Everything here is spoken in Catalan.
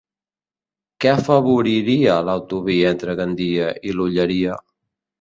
Què afavoriria l'autovia entre Gandia i l'Olleria?